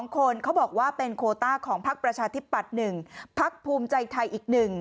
๒คนเขาบอกว่าเป็นโคต้าของพักประชาธิปัตย์๑พักภูมิใจไทยอีก๑